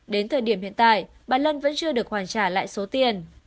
đến thời điểm hiện tại bà lân vẫn chưa được hoàn trả lại số tiền